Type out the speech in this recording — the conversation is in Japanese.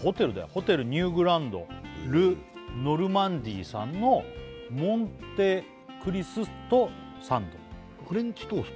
ホテルニューグランドル・ノルマンディさんのモンテクリストサンドフレンチトースト？